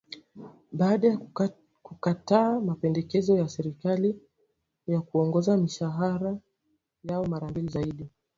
baada ya kukataa mapendekezo ya Serikali ya kuongeza mishahara yao mara mbili zaidi